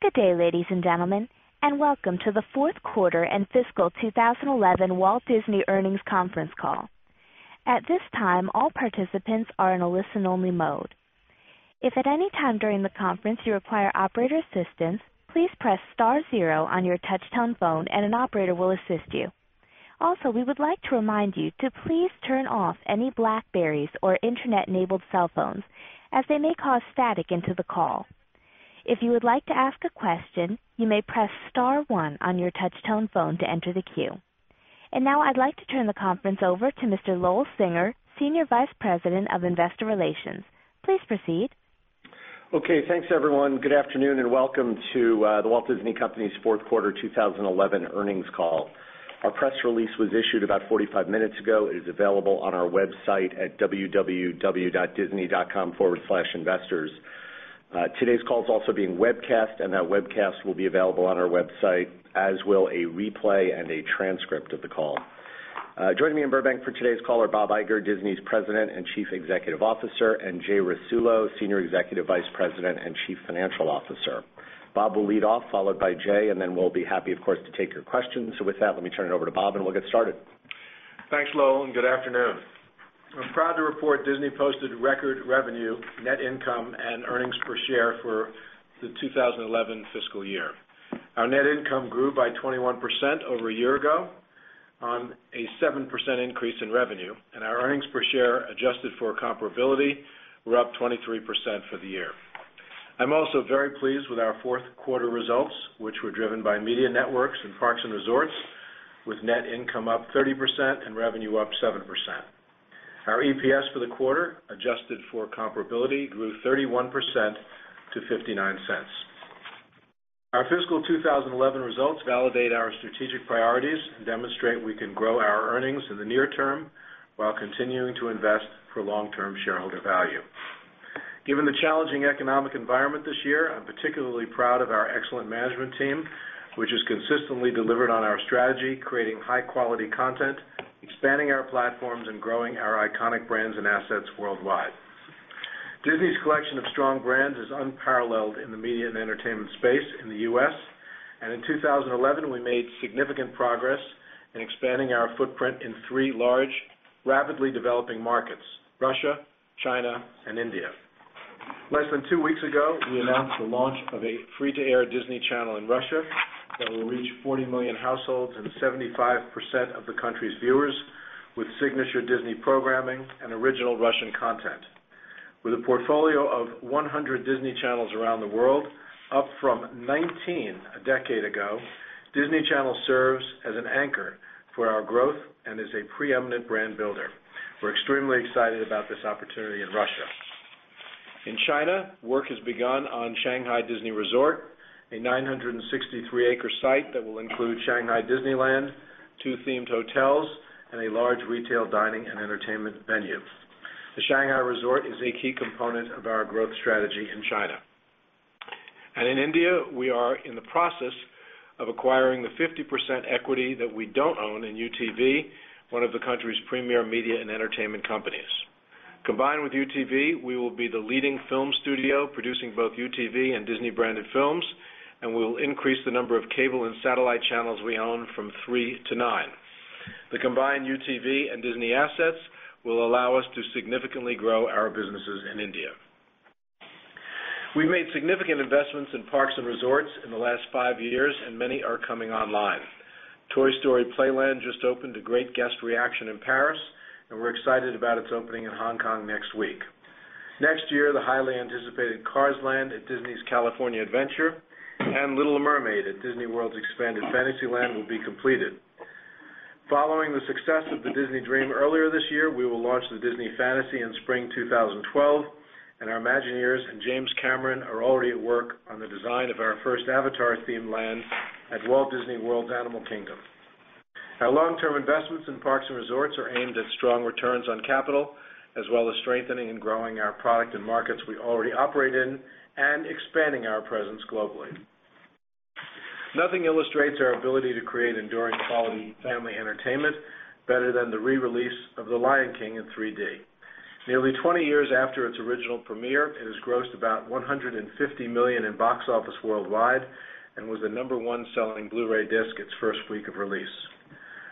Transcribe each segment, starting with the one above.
Good day, ladies and gentlemen, and welcome to the Fourth Quarter and Fiscal 2011 Walt Disney Earnings Conference Call. At this time, all participants are in a listen-only mode. If at any time during the conference you require operator assistance, please press star zero on your touch-tone phone and an operator will assist you. Also, we would like to remind you to please turn off any BlackBerries or internet-enabled cell phones, as they may cause static into the call. If you would like to ask a question, you may press Star, one on your touch-tone phone to enter the queue. Now I'd like to turn the conference over to Mr. Lowell Singer, Senior Vice President of Investor Relations. Please proceed. Okay, thanks everyone. Good afternoon and welcome to The Walt Disney Company's Fourth Quarter 2011 Earnings Call. Our press release was issued about 45 minutes ago. It is available on our website at www.disney.com/investors. Today's call is also being webcast, and that webcast will be available on our website, as will a replay and a transcript of the call. Joining me in Burbank for today's call are Bob Iger, Disney's President and Chief Executive Officer, and Jay Rasulo, Senior Executive Vice President and Chief Financial Officer. Bob will lead off, followed by Jay, and then we'll be happy, of course, to take your questions. With that, let me turn it over to Bob and we'll get started. Thanks, Lowell, and good afternoon. We're proud to report Disney posted record revenue, net income, and earnings per share for the 2011 fiscal year. Our net income grew by 21% over a year ago, on a 7% increase in revenue, and our earnings per share, adjusted for comparability, were up 23% for the year. I'm also very pleased with our fourth quarter results, which were driven by media networks and parks and resorts, with net income up 30% and revenue up 7%. Our EPS for the quarter, adjusted for comparability, grew 31% to $0.59. Our fiscal 2011 results validate our strategic priorities and demonstrate we can grow our earnings in the near term while continuing to invest for long-term shareholder value. Given the challenging economic environment this year, I'm particularly proud of our excellent management team, which has consistently delivered on our strategy, creating high-quality content, expanding our platforms, and growing our iconic brands and assets worldwide. Disney's collection of strong brands is unparalleled in the media and entertainment space in the U.S., and in 2011 we made significant progress in expanding our footprint in three large, rapidly developing markets: Russia, China, and India. Less than two weeks ago, we announced the launch of a free-to-air Disney Channel in Russia that will reach 40 million households and 75% of the country's viewers, with signature Disney programming and original Russian content. With a portfolio of 100 Disney Channels around the world, up from 19 a decade ago, Disney Channel serves as an anchor for our growth and is a preeminent brand builder. We're extremely excited about this opportunity in Russia. In China, work has begun on Shanghai Disney Resort, a 963-acre site that will include Shanghai Disneyland, two themed hotels, and a large retail dining and entertainment venue. The Shanghai Resort is a key component of our growth strategy in China. In India, we are in the process of acquiring the 50% equity that we don't own in UTV, one of the country's premier media and entertainment companies. Combined with UTV, we will be the leading film studio producing both UTV and Disney-branded films, and we will increase the number of cable and satellite channels we own from three to nine. The combined UTV and Disney assets will allow us to significantly grow our businesses in India. We've made significant investments in parks and resorts in the last five years, and many are coming online. Toy Story Playland just opened, a great guest reaction in Paris, and we're excited about its opening in Hong Kong next week. Next year, the highly anticipated Cars Land at Disney's California Adventure and Little Mermaid at Disney World's expanded Fantasyland will be completed. Following the success of the Disney Dream earlier this year, we will launch the Disney Fantasy in spring 2012, and our imagineers and James Cameron are already at work on the design of our first Avatar-themed land at Walt Disney World's Animal Kingdom. Our long-term investments in parks and resorts are aimed at strong returns on capital, as well as strengthening and growing our product and markets we already operate in, and expanding our presence globally. Nothing illustrates our ability to create enduring quality family entertainment better than the re-release of The Lion King in 3D. Nearly 20 years after its original premiere, it has grossed about $150 million in Box Office worldwide and was the number one selling Blu-ray disc its first week of release.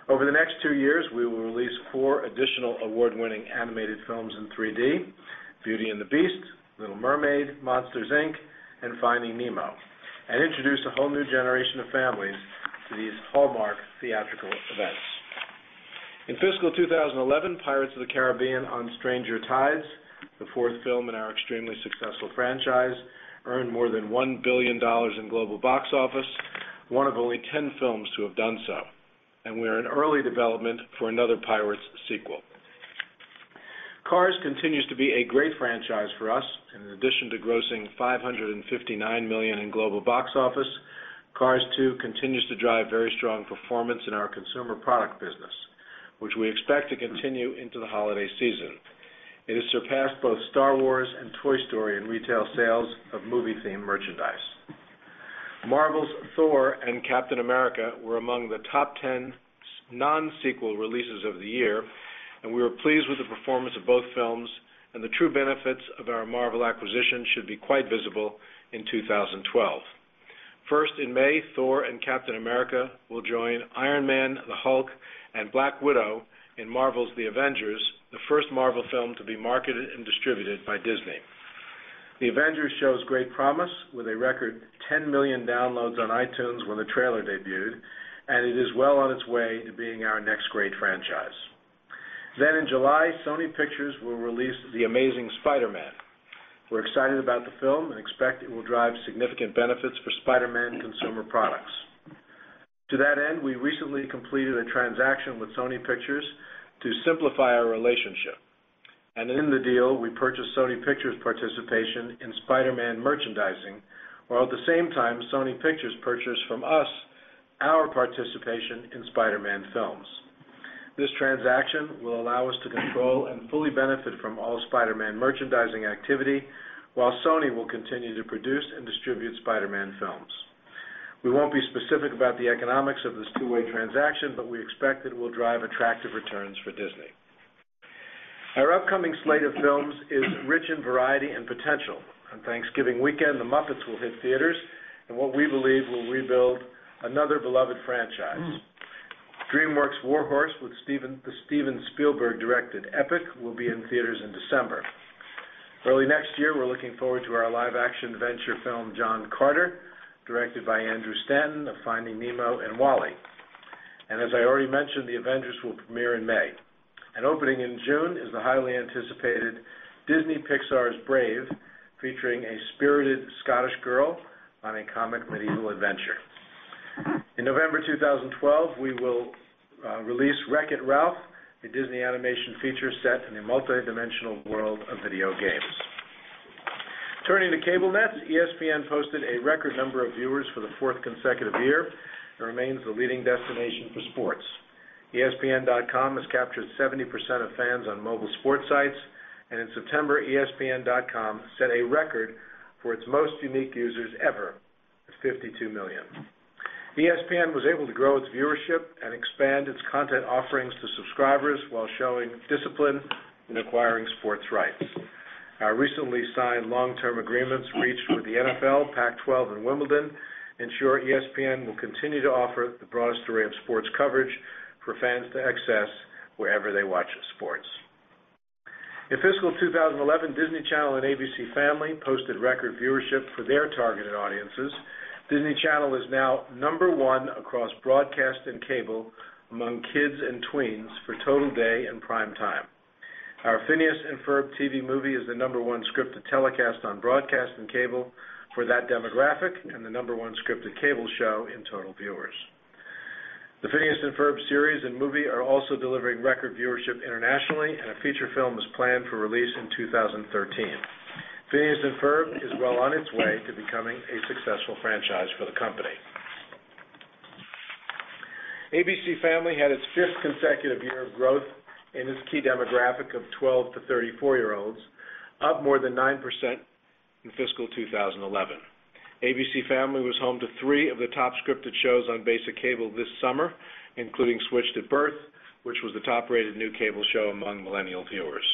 Over the next two years, we will release four additional award-winning animated films in 3D: Beauty and the Beast, Little Mermaid, Monsters Inc., and Finding Nemo, and introduce a whole new generation of families to these hallmark theatrical events. In fiscal 2011, Pirates of the Caribbean: On Stranger Tides, the fourth film in our extremely successful franchise, earned more than $1 billion in global Box Office, one of only 10 films to have done so. We are in early development for another Pirates sequel. Cars continues to be a great franchise for us, and in addition to grossing $559 million in global box office, Cars 2 continues to drive very strong performance in our consumer product business, which we expect to continue into the holiday season. It has surpassed both Star Wars and Toy Story in retail sales of movie-themed merchandise. Marvel's Thor and Captain America were among the top 10 non-sequel releases of the year, and we were pleased with the performance of both films, and the true benefits of our Marvel acquisition should be quite visible in 2012. First in May, Thor and Captain America will join Iron Man, the Hulk, and Black Widow in Marvel's The Avengers, the first Marvel film to be marketed and distributed by Disney. The Avengers shows great promise, with a record 10 million downloads on iTunes when the trailer debuted, and it is well on its way to being our next great franchise. In July, Sony Pictures will release The Amazing Spider-Man. We're excited about the film and expect it will drive significant benefits for Spider-Man consumer products. To that end, we recently completed a transaction with Sony Pictures to simplify our relationship, and in the deal, we purchased Sony Pictures' participation in Spider-Man merchandising, while at the same time, Sony Pictures purchased from us our participation in Spider-Man films. This transaction will allow us to control and fully benefit from all Spider-Man merchandising activity, while Sony will continue to produce and distribute Spider-Man films. We won't be specific about the economics of this two-way transaction, but we expect it will drive attractive returns for Disney. Our upcoming slate of films is rich in variety and potential. On Thanksgiving weekend, The Muppets will hit theaters, which we believe will rebuild another beloved franchise. DreamWorks' Warhorse, with Steven Spielberg-directed Epic, will be in theaters in December. Early next year, we're looking forward to our live-action venture film, John Carter, directed by Andrew Stanton, of Finding Nemo and Wall-E. As I already mentioned, The Avengers will premiere in May. Opening in June is the highly anticipated Disney Pixar's Brave, featuring a spirited Scottish girl on a comic medieval adventure. In November 2012, we will release Wreck-It Ralph, a Disney animation feature set in a multi-dimensional world of video games. Turning to cable nets, ESPN posted a record number of viewers for the fourth consecutive year and remains the leading destination for sports. ESPN.com has captured 70% of fans on mobile sports sites, and in September, ESPN.com set a record for its most unique users ever, with 52 million. ESPN was able to grow its viewership and expand its content offerings to subscribers while showing discipline in acquiring sports rights. Our recently signed long-term agreements reached with the NFL, PAC 12, and Wimbledon ensure ESPN will continue to offer the broadest array of sports coverage for fans to access wherever they watch sports. In fiscal 2011, Disney Channel and ABC Family posted record viewership for their targeted audiences. Disney Channel is now number one across broadcast and cable among kids and tweens for Total Day and Primetime. Our Phineas and Ferb TV movie is the number one scripted telecast on broadcast and cable for that demographic, and the number one scripted cable show in total viewers. The Phineas and Ferb series and movie are also delivering record viewership internationally, and a feature film is planned for release in 2013. Phineas and Ferb is well on its way to becoming a successful franchise for the company. ABC Family had its fifth consecutive year of growth in its key demographic of 12-34-year-olds, up more than 9% in fiscal 2011. ABC Family was home to three of the top scripted shows on basic cable this summer, including Switched at Birth, which was the top-rated new cable show among millennial viewers.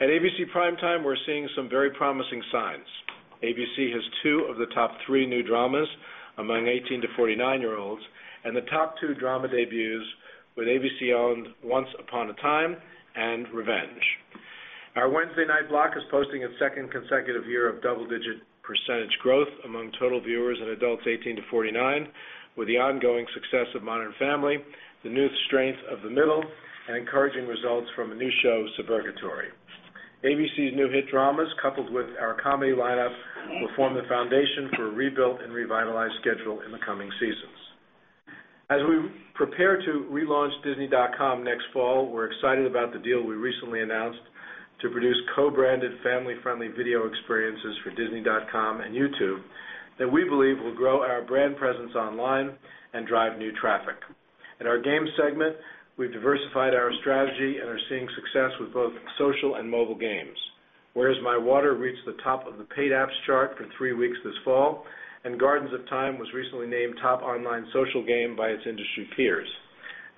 At ABC Primetime, we're seeing some very promising signs. ABC has two of the top three new dramas among 18-49-year-olds, and the top two drama debuts with ABC-owned Once Upon a Time and Revenge. Our Wednesday Night Block is posting its second consecutive year of double-digit percentage growth among total viewers in adults 18-49, with the ongoing success of Modern Family, the new strength of The Middle, and encouraging results from a new show, Suburgatory. ABC's new hit dramas, coupled with our comedy lineup, will form the foundation for a rebuilt and revitalized schedule in the coming seasons. As we prepare to relaunch Disney.com next fall, we're excited about the deal we recently announced to produce co-branded family-friendly video experiences for Disney.com and YouTube that we believe will grow our brand presence online and drive new traffic. In our games segment, we've diversified our strategy and are seeing success with both social and mobile games, where Where's My Water? reached the top of the paid apps chart for three weeks this fall, and Gardens of Time was recently named top online social game by its industry peers.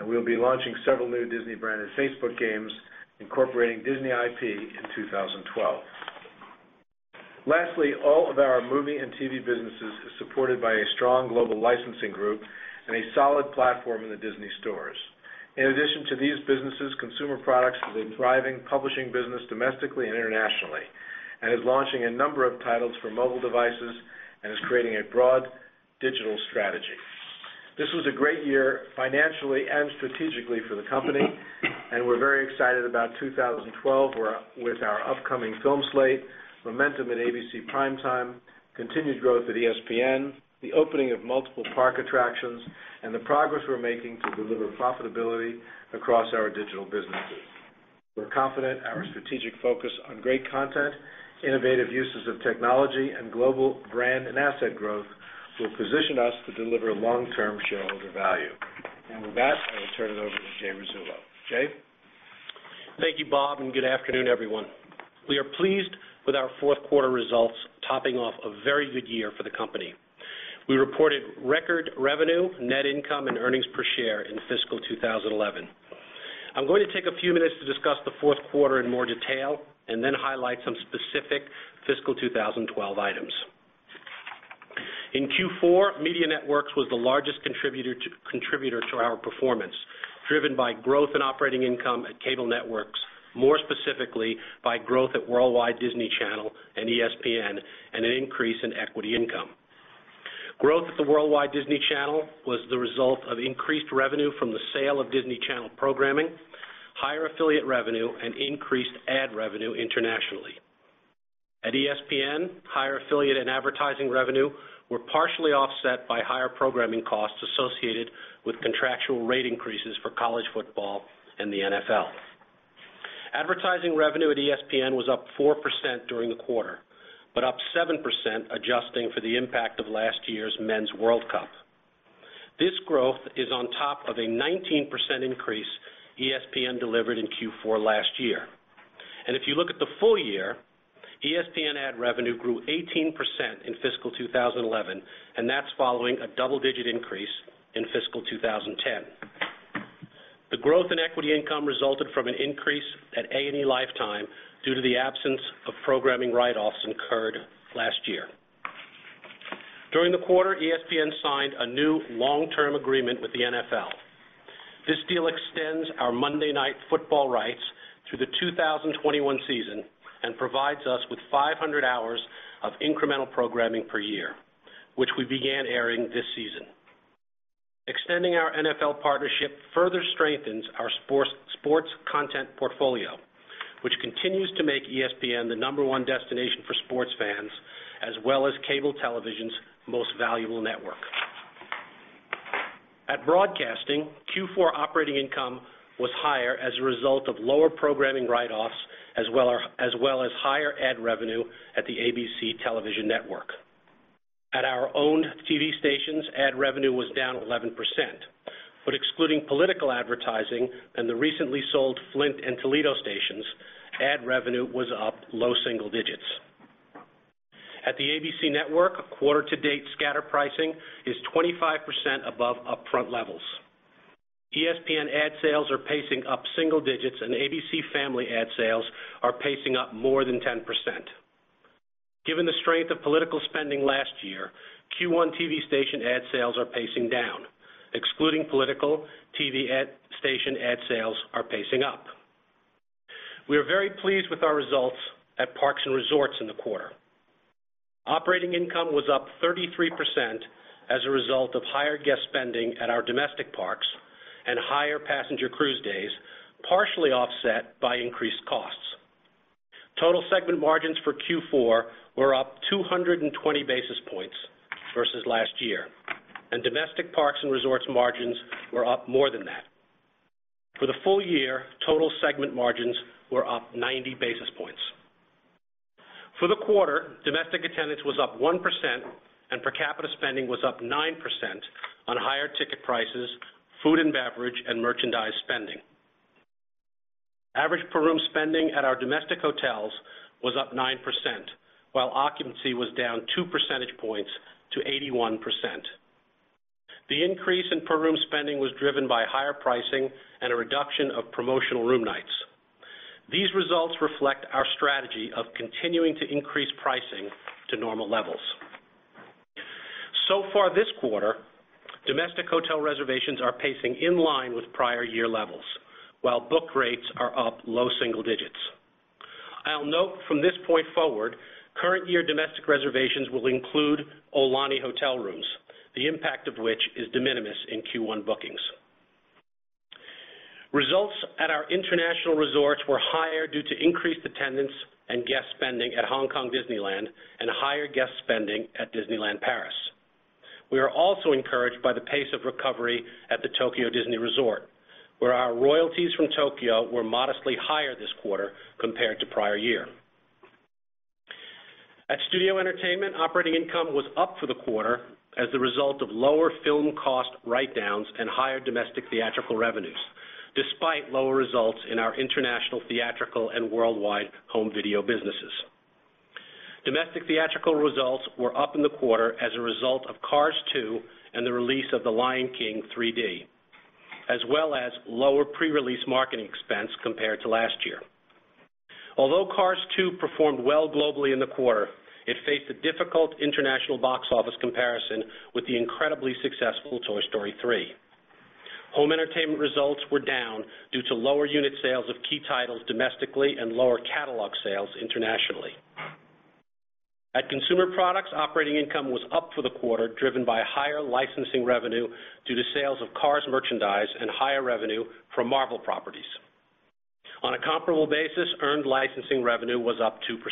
We will be launching several new Disney-branded Facebook games incorporating Disney IP in 2012. Lastly, all of our movie and TV businesses are supported by a strong global licensing group and a solid platform in the Disney stores. In addition to these businesses, Consumer Products is a thriving publishing business domestically and internationally, and is launching a number of titles for mobile devices and is creating a broad digital strategy. This was a great year financially and strategically for the company, and we're very excited about 2012 with our upcoming film slate, momentum at ABC Primetime, continued growth at ESPN, the opening of multiple park attractions, and the progress we're making to deliver profitability across our digital businesses. We're confident our strategic focus on great content, innovative uses of technology, and global brand and asset growth will position us to deliver long-term shareholder value. With that, I will turn it over to Jay Rasulo. Jay? Thank you, Bob, and good afternoon, everyone. We are pleased with our fourth quarter results, topping off a very good year for the company. We reported record revenue, net income, and earnings per share in fiscal 2011. I'm going to take a few minutes to discuss the fourth quarter in more detail and then highlight some specific fiscal 2012 items. In Q4, Media Networks was the largest contributor to our performance, driven by growth in operating income at Cable Networks, more specifically by growth at Worldwide Disney Channel and ESPN, and an increase in equity income. Growth at the Worldwide Disney Channel was the result of increased revenue from the sale of Disney Channel programming, higher affiliate revenue, and increased ad revenue internationally. At ESPN, higher affiliate and advertising revenue were partially offset by higher programming costs associated with contractual rate increases for college football and the NFL. Advertising revenue at ESPN was up 4% during the quarter, but up 7%, adjusting for the impact of last year's Men's World Cup. This growth is on top of a 19% increase ESPN delivered in Q4 last year. If you look at the full year, ESPN ad revenue grew 18% in fiscal 2011, and that's following a double-digit increase in fiscal 2010. The growth in equity income resulted from an increase at A&E Lifetime due to the absence of programming write-offs incurred last year. During the quarter, ESPN signed a new long-term agreement with the NFL. This deal extends our Monday Night Football rights through the 2021 season and provides us with 500 hours of incremental programming per year, which we began airing this season. Extending our NFL partnership further strengthens our sports content portfolio, which continues to make ESPN the number one destination for sports fans, as well as cable television's most valuable network. At Broadcasting, Q4 operating income was higher as a result of lower programming write-offs, as well as higher ad revenue at the ABC Television Network. At our owned TV stations, ad revenue was down 11%, but excluding political advertising and the recently sold Flint and Toledo stations, ad revenue was up low single digits. At the ABC Network, quarter-to-date scatter pricing is 25% above upfront levels. ESPN ad sales are pacing up single digits, and ABC Family ad sales are pacing up more than 10%. Given the strength of political spending last year, Q1 TV station ad sales are pacing down. Excluding political, TV station ad sales are pacing up. We are very pleased with our results at Parks and Resorts in the quarter. Operating income was up 33% as a result of higher guest spending at our domestic parks and higher passenger cruise days, partially offset by increased costs. Total segment margins for Q4 were up 220 basis points versus last year, and domestic Parks and Resorts margins were up more than that. For the full year, total segment margins were up 90 basis points. For the quarter, domestic attendance was up 1%, and per capita spending was up 9% on higher ticket prices, food and beverage, and merchandise spending. Average per room spending at our domestic hotels was up 9%, while occupancy was down two percentage points to 81%. The increase in per room spending was driven by higher pricing and a reduction of promotional room nights. These results reflect our strategy of continuing to increase pricing to normal levels. So far this quarter, domestic hotel reservations are pacing in line with prior year levels, while book rates are up low single digits. I'll note from this point forward, current year domestic reservations will include Aulani Hotel rooms, the impact of which is de minimis in Q1 bookings. Results at our international resorts were higher due to increased attendance and guest spending at Hong Kong Disneyland and higher guest spending at Disneyland Paris. We are also encouraged by the pace of recovery at the Tokyo Disney Resort, where our royalties from Tokyo were modestly higher this quarter compared to prior year. At Studio Entertainment, operating income was up for the quarter as a result of lower film cost write-downs and higher domestic theatrical revenue, despite lower results in our international theatrical and worldwide home video businesses. Domestic theatrical results were up in the quarter as a result of Cars 2 and the release of The Lion King 3D, as well as lower pre-release marketing expense compared to last year. Although Cars 2 performed well globally in the quarter, it faced a difficult international box office comparison with the incredibly successful Toy Story 3. Home entertainment results were down due to lower unit sales of key titles domestically and lower catalog sales internationally. At Consumer Products, operating income was up for the quarter, driven by higher licensing revenue due to sales of Cars merchandise and higher revenue from Marvel properties. On a comparable basis, earned licensing revenue was up 2%.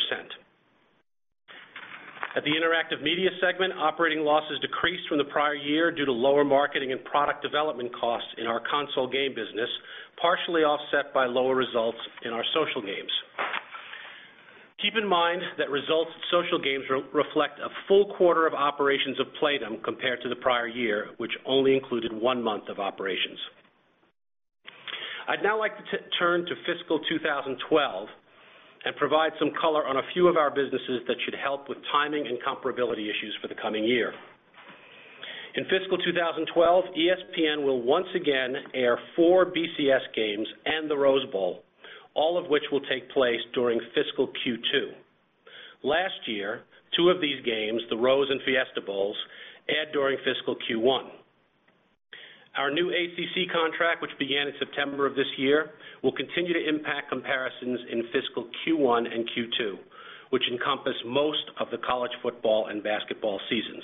At the interactive media segment, operating losses decreased from the prior year due to lower marketing and product development costs in our console game business, partially offset by lower results in our social games. Keep in mind that results in social games reflect a full quarter of operations of Playdom compared to the prior year, which only included one month of operations. I'd now like to turn to fiscal 2012 and provide some color on a few of our businesses that should help with timing and comparability issues for the coming year. In fiscal 2012, ESPN will once again air four BCS games and the Rose Bowl, all of which will take place during fiscal Q2. Last year, two of these games, the Rose and Fiesta Bowls, aired during fiscal Q1. Our new HBC contract, which began in September of this year, will continue to impact comparisons in fiscal Q1 and Q2, which encompass most of the college football and basketball seasons.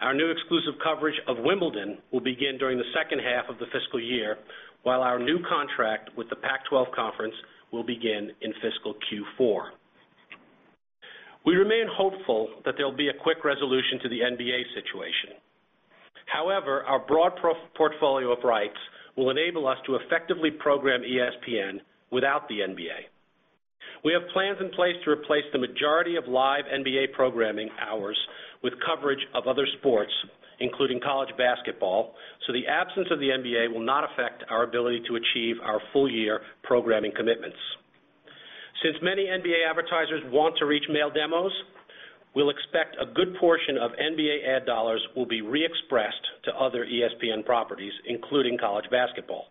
Our new exclusive coverage of Wimbledon will begin during the second half of the fiscal year, while our new contract with the PAC 12 Conference will begin in fiscal Q4. We remain hopeful that there will be a quick resolution to the NBA situation. However, our broad portfolio of rights will enable us to effectively program ESPN without the NBA. We have plans in place to replace the majority of live NBA programming hours with coverage of other sports, including college basketball, so the absence of the NBA will not affect our ability to achieve our full-year programming commitments. Since many NBA advertisers want to reach male demos, we expect a good portion of NBA ad dollars will be re-expressed to other ESPN properties, including college basketball.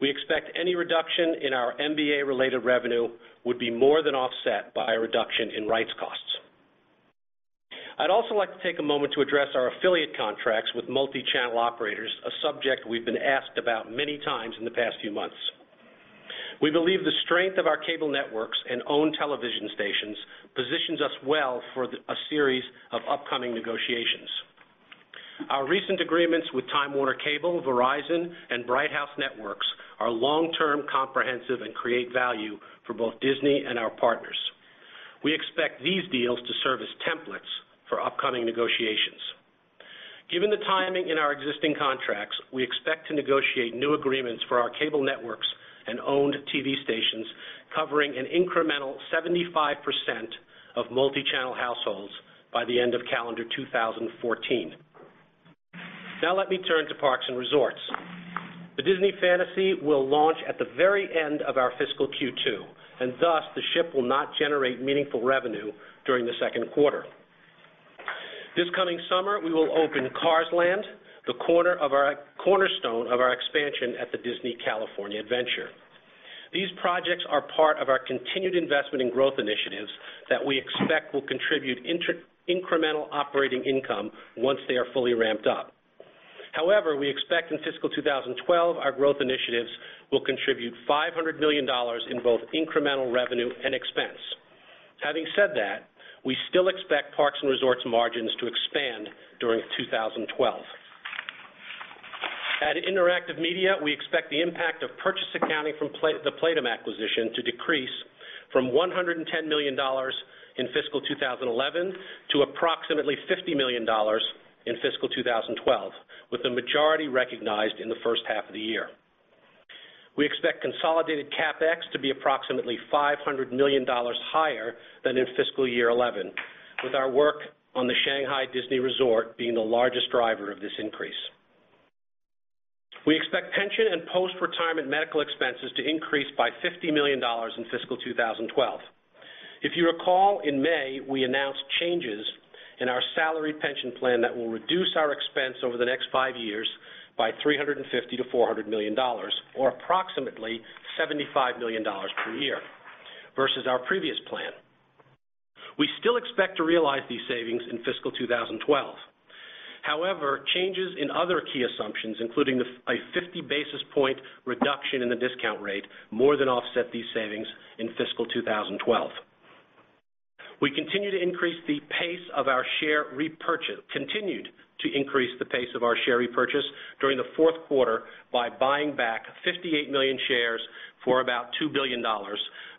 We expect any reduction in our NBA-related revenue would be more than offset by a reduction in rights costs. I'd also like to take a moment to address our affiliate contracts with multi-channel operators, a subject we've been asked about many times in the past few months. We believe the strength of our cable networks and owned television stations positions us well for a series of upcoming negotiations. Our recent agreements with Time Warner Cable, Verizon, and Bright House Networks are long-term, comprehensive, and create value for both Disney and our partners. We expect these deals to serve as templates for upcoming negotiations. Given the timing in our existing contracts, we expect to negotiate new agreements for our cable networks and owned TV stations covering an incremental 75% of multi-channel households by the end of calendar 2014. Now let me turn to parks and resorts. The Disney Fantasy will launch at the very end of our fiscal Q2, and thus the ship will not generate meaningful revenue during the second quarter. This coming summer, we will open Cars Land, the cornerstone of our expansion at the Disney California Adventure. These projects are part of our continued investment in growth initiatives that we expect will contribute incremental operating income once they are fully ramped up. However, we expect in fiscal 2012 our growth initiatives will contribute $500 million in both incremental revenue and expense. Having said that, we still expect parks and resorts margins to expand during 2012. At interactive media, we expect the impact of purchase accounting from the Playdom acquisition to decrease from $110 million in fiscal 2011 to approximately $50 million in fiscal 2012, with the majority recognized in the first half of the year. We expect consolidated CapEx to be approximately $500 million higher than in fiscal year 2011, with our work on the Shanghai Disney Resort being the largest driver of this increase. We expect pension and post-retirement medical expenses to increase by $50 million in fiscal 2012. If you recall, in May, we announced changes in our salary pension plan that will reduce our expense over the next five years by $350-$400 million, or approximately $75 million per year versus our previous plan. We still expect to realize these savings in fiscal 2012. However, changes in other key assumptions, including a 50 basis point reduction in the discount rate, more than offset these savings in fiscal 2012. We continued to increase the pace of our share repurchase during the fourth quarter by buying back $58 million shares for about $2 billion,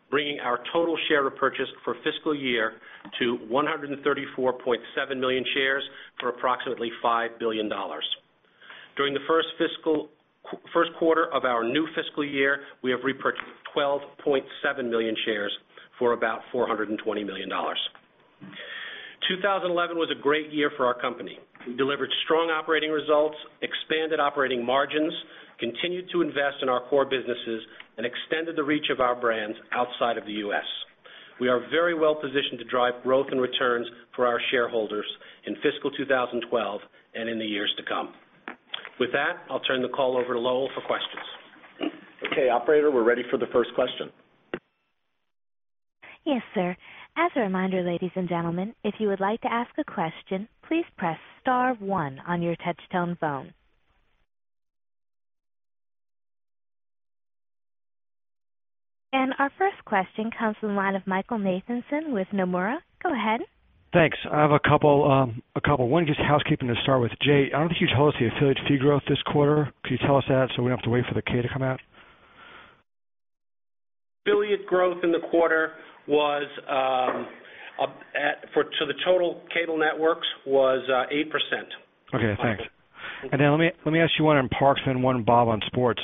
bringing our total share repurchase for the fiscal year to $134.7 million shares for approximately $5 billion. During the first quarter of our new fiscal year, we have repurchased $12.7 million shares for about $420 million. 2011 was a great year for our company. We delivered strong operating results, expanded operating margins, continued to invest in our core businesses, and extended the reach of our brands outside of the U.S. We are very well positioned to drive growth and returns for our shareholders in fiscal 2012 and in the years to come. With that, I'll turn the call over to Lowell for questions. Okay, operator, we're ready for the first question. Yes, sir. As a reminder, ladies and gentlemen, if you would like to ask a question, please press star one on your touch-tone phone. Our first question comes from the line of Michael Nathanson with Nomura. Go ahead. Thanks. I have a couple. One just housekeeping to start with. Jay, I don't think you told us the affiliate fee growth this quarter. Could you tell us that so we don't have to wait for the K to come out? Affiliate growth in the quarter for the total cable networks was 8%. Okay, thanks. Let me ask you one on parks and one on Bob on sports.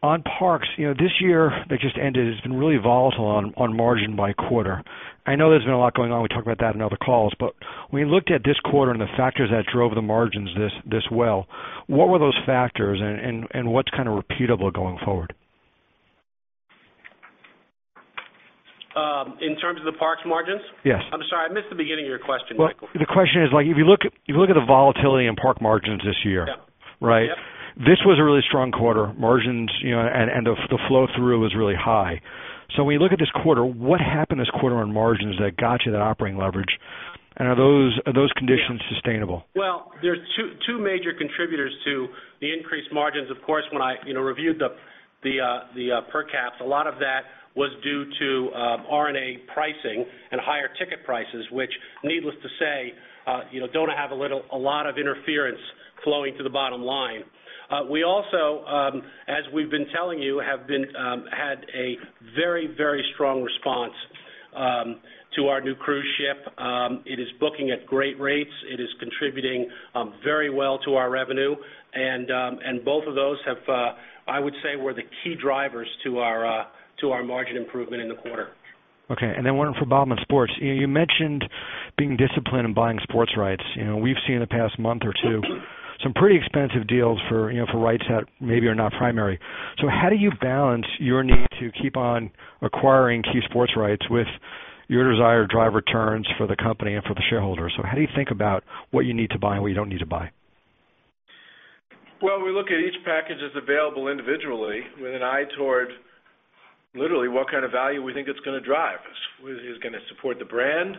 On parks, you know this year that just ended has been really volatile on margin by quarter. I know there's been a lot going on. We talked about that in other calls. When you looked at this quarter and the factors that drove the margins this well, what were those factors and what's kind of repeatable going forward? In terms of the parks margins? Yes. I'm sorry, I missed the beginning of your question, Michael. The question is, if you look at the volatility in park margins this year, this was a really strong quarter. Margins and the flow-through was really high. When you look at this quarter, what happened this quarter on margins that got you that operating leverage? Are those conditions sustainable? There are two major contributors to the increased margins. Of course, when I reviewed the per caps, a lot of that was due to R&A pricing and higher ticket prices, which, needless to say, don't have a lot of interference flowing to the bottom line. We also, as we've been telling you, have had a very, very strong response to our new cruise ship. It is booking at great rates. It is contributing very well to our revenue. Both of those have, I would say, were the key drivers to our margin improvement in the quarter. Okay, and then one for Bob on sports. You mentioned being disciplined in buying sports rights. We've seen in the past month or two some pretty expensive deals for rights that maybe are not primary. How do you balance your need to keep on acquiring key sports rights with your desire to drive returns for the company and for the shareholders? How do you think about what you need to buy and what you don't need to buy? We look at each package that's available individually with an eye toward literally what kind of value we think it's going to drive. Is it going to support the brand?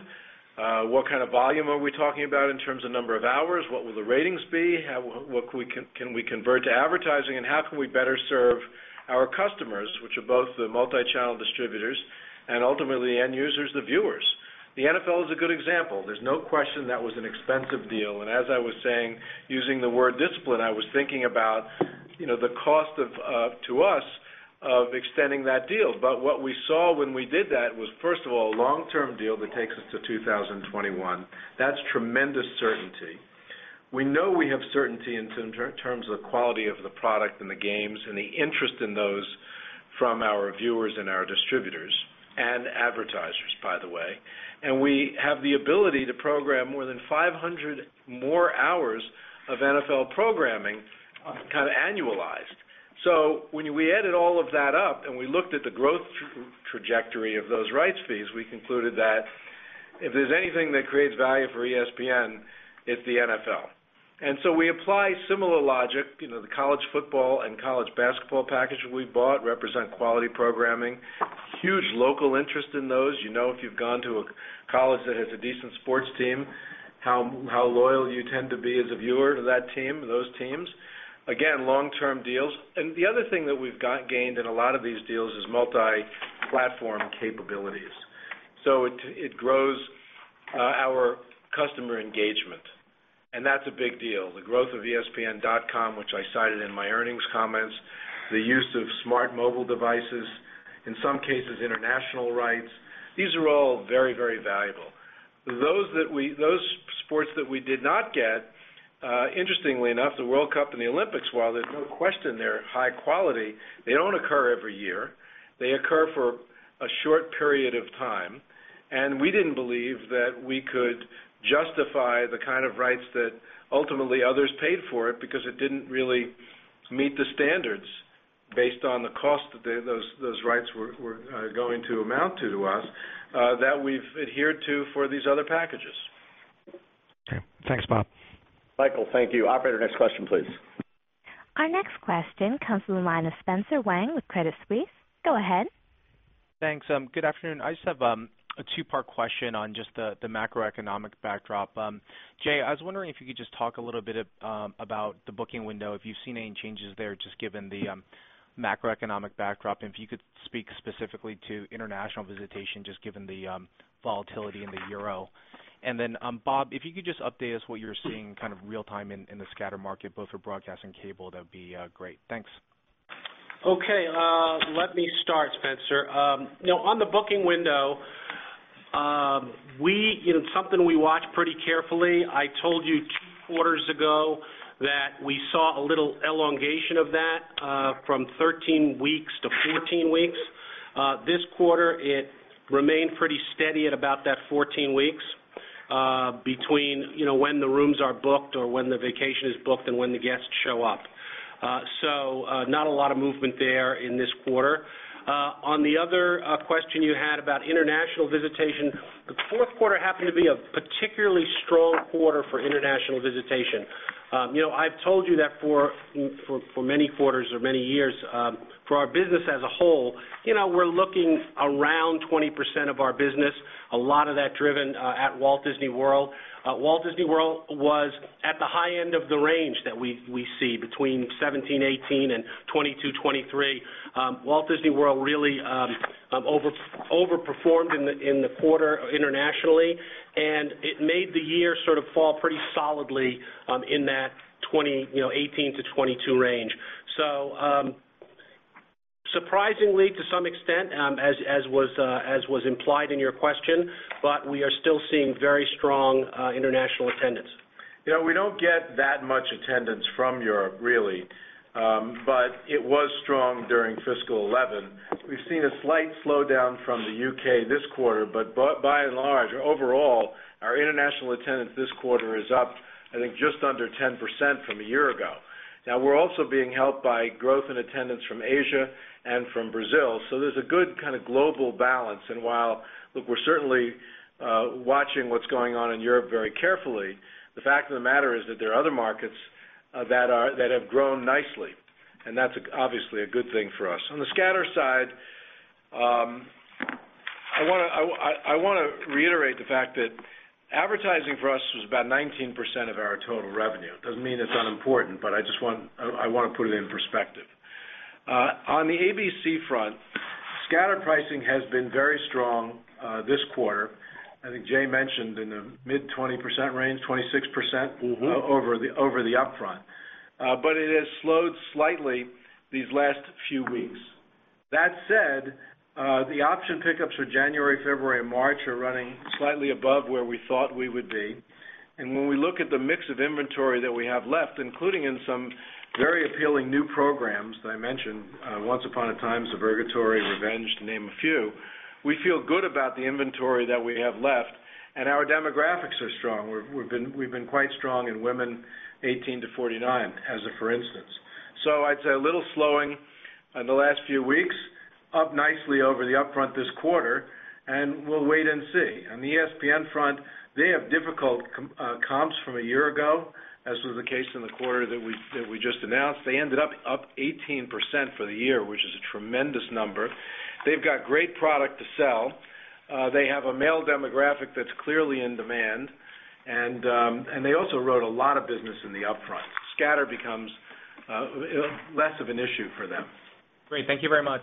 What kind of volume are we talking about in terms of number of hours? What will the ratings be? What can we convert to advertising? How can we better serve our customers, which are both the multi-channel distributors and ultimately the end users, the viewers? The NFL is a good example. There's no question that was an expensive deal. As I was saying, using the word discipline, I was thinking about the cost to us of extending that deal. What we saw when we did that was, first of all, a long-term deal that takes us to 2021. That's tremendous certainty. We know we have certainty in terms of the quality of the product and the games and the interest in those from our viewers and our distributors and advertisers, by the way. We have the ability to program more than 500 more hours of NFL programming kind of annualized. When we added all of that up and we looked at the growth trajectory of those rights fees, we concluded that if there's anything that creates value for ESPN, it's the NFL. We apply similar logic. The college football and college basketball package we bought represent quality programming. Huge local interest in those. You know if you've gone to a college that has a decent sports team, how loyal you tend to be as a viewer to that team, those teams. Again, long-term deals. The other thing that we've gained in a lot of these deals is multi-platform capabilities. It grows our customer engagement. That's a big deal. The growth of ESPN.com, which I cited in my earnings comments, the use of smart mobile devices, in some cases international rights, these are all very, very valuable. Those sports that we did not get, interestingly enough, the World Cup and the Olympics, while there's no question they're high quality, they don't occur every year. They occur for a short period of time. We didn't believe that we could justify the kind of rights that ultimately others paid for it because it didn't really meet the standards based on the cost that those rights were going to amount to us that we've adhered to for these other packages. Thanks, Bob. Michael, thank you. Operator, next question, please. Our next question comes from the line of Spencer Wang with Credit Suisse. Go ahead. Thanks. Good afternoon. I just have a two-part question on the macroeconomic backdrop. Jay, I was wondering if you could talk a little bit about the booking window, if you've seen any changes there, given the macroeconomic backdrop. If you could speak specifically to international visitation, given the volatility in the euro. Bob, if you could update us on what you're seeing real-time in the scatter market, both for broadcast and cable, that would be great. Thanks. Okay, let me start, Spencer. On the booking window, it's something we watch pretty carefully. I told you two quarters ago that we saw a little elongation of that from 13 weeks to 14 weeks. This quarter, it remained pretty steady at about that 14 weeks between when the rooms are booked or when the vacation is booked and when the guests show up. Not a lot of movement there in this quarter. On the other question you had about international visitation, the fourth quarter happened to be a particularly strong quarter for international visitation. I've told you that for many quarters or many years, for our business as a whole, we're looking around 20% of our business, a lot of that driven at Walt Disney World. Walt Disney World was at the high end of the range that we see, between 2017, 2018, and 2022, 2023. Walt Disney World really overperformed in the quarter internationally, and it made the year sort of fall pretty solidly in that 2018-2022 range. Surprisingly, to some extent, as was implied in your question, we are still seeing very strong international attendance. We don't get that much attendance from Europe, really, but it was strong during fiscal 2011. We've seen a slight slowdown from the U.K., this quarter, but by and large, overall, our international attendance this quarter is up, I think, just under 10% from a year ago. We're also being helped by growth in attendance from Asia and from Brazil, so there's a good kind of global balance. While we're certainly watching what's going on in Europe very carefully, the fact of the matter is that there are other markets that have grown nicely, and that's obviously a good thing for us. On the scatter side, I want to reiterate the fact that advertising for us was about 19% of our total revenue. It doesn't mean it's unimportant, but I just want to put it in perspective. On the ABC front, scatter pricing has been very strong this quarter. I think Jay mentioned in the mid-20% range, 26% over the upfront, but it has slowed slightly these last few weeks. That said, the option pickups for January, February, and March are running slightly above where we thought we would be. When we look at the mix of inventory that we have left, including in some very appealing new programs that I mentioned, Once Upon a Time, Suburgatory, Revenge, to name a few, we feel good about the inventory that we have left, and our demographics are strong. We've been quite strong in women 18-49, as a for instance. I'd say a little slowing in the last few weeks, up nicely over the upfront this quarter, and we'll wait and see. On the ESPN front, they have difficult comps from a year ago, as was the case in the quarter that we just announced. They ended up up 18% for the year, which is a tremendous number. They've got great product to sell. They have a male demographic that's clearly in demand, and they also wrote a lot of business in the upfront. Scatter becomes less of an issue for them. Great, thank you very much.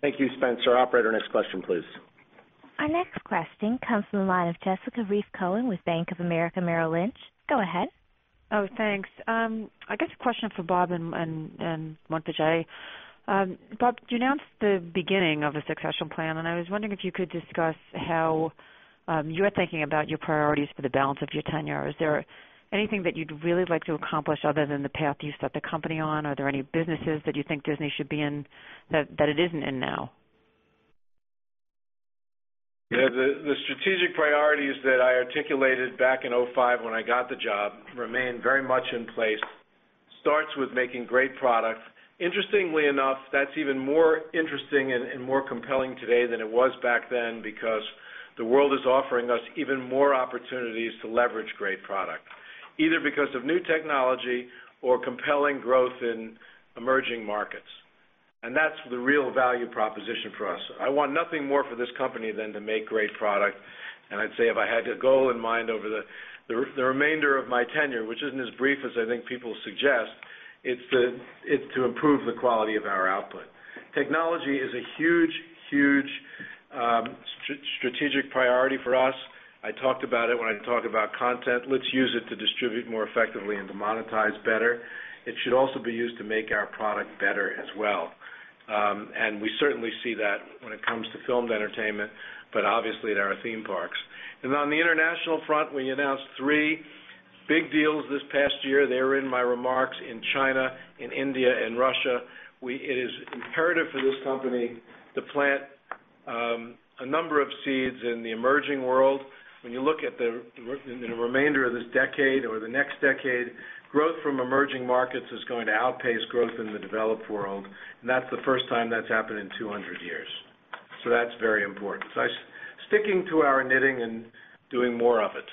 Thank you, Spencer. Operator, next question, please. Our next question comes from the line of Jessica Reif Ehrlich with Bank of America Merill Lynch. Go ahead. Oh, thanks. I guess a question for Bob and Jay Rasulo. Bob, you announced the beginning of a succession plan, and I was wondering if you could discuss how you are thinking about your priorities for the balance of your tenure. Is there anything that you'd really like to accomplish other than the path you set the company on? Are there any businesses that you think Disney should be in that it isn't in now? Yeah, the strategic priorities that I articulated back in 2005 when I got the job remain very much in place. It starts with making great product. Interestingly enough, that's even more interesting and more compelling today than it was back then because the world is offering us even more opportunities to leverage great product, either because of new technology or compelling growth in emerging markets. That's the real value proposition for us. I want nothing more for this company than to make great product. I'd say if I had a goal in mind over the remainder of my tenure, which isn't as brief as I think people suggest, it's to improve the quality of our output. Technology is a huge, huge strategic priority for us. I talked about it when I talked about content. Let's use it to distribute more effectively and to monetize better. It should also be used to make our product better as well. We certainly see that when it comes to filmed entertainment, but obviously in our theme parks. On the international front, we announced three big deals this past year. They are in my remarks in China, in India, and Russia. It is imperative for this company to plant a number of seeds in the emerging world. When you look at the remainder of this decade or the next decade, growth from emerging markets is going to outpace growth in the developed world. That's the first time that's happened in 200 years. That's very important. I'm sticking to our knitting and doing more of it.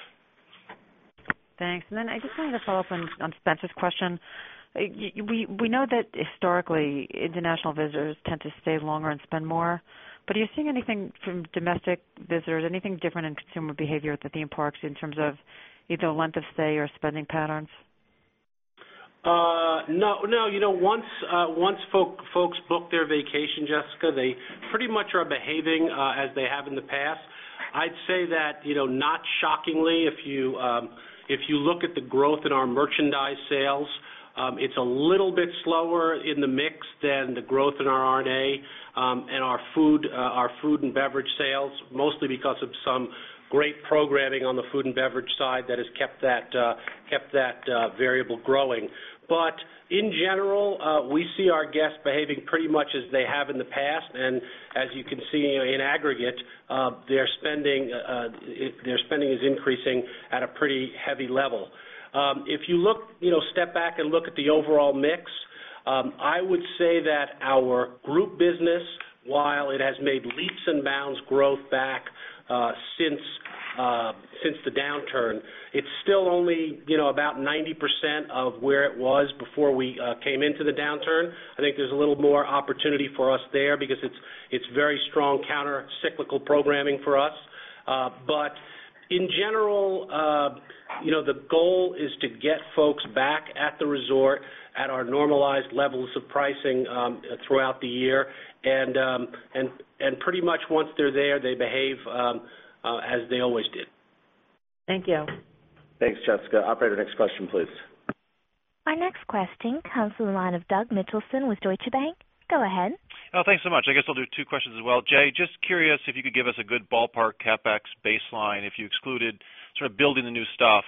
Thanks. I just wanted to follow up on Spencer's question. We know that historically, international visitors tend to stay longer and spend more. Are you seeing anything from domestic visitors, anything different in consumer behavior at the theme parks in terms of either length of stay or spending patterns? No, no. Once folks book their vacation, Jessica, they pretty much are behaving as they have in the past. I'd say that, not shockingly, if you look at the growth in our merchandise sales, it's a little bit slower in the mix than the growth in our R&A and our food and beverage sales, mostly because of some great programming on the food and beverage side that has kept that variable growing. In general, we see our guests behaving pretty much as they have in the past. As you can see, in aggregate, their spending is increasing at a pretty heavy level. If you step back and look at the overall mix, I would say that our group business, while it has made leaps and bounds growth back since the downturn, is still only about 90% of where it was before we came into the downturn. I think there's a little more opportunity for us there because it's very strong counter-cyclical programming for us. In general, the goal is to get folks back at the resort at our normalized levels of pricing throughout the year. Pretty much once they're there, they behave as they always did. Thank you. Thanks, Jessica. Operator, next question, please. Our next question comes from the line of Douglas Mitchelson with Deutsche Bank. Go ahead. Oh, thanks so much. I guess I'll do two questions as well. Jay, just curious if you could give us a good ballpark CapEx baseline if you excluded sort of building the new stuff